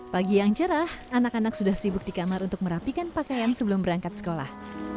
pagi yang cerah anak anak sudah sibuk di kamar untuk merapikan pakaian sebelum berangkat sekolah